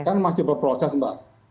kan masih berproses pak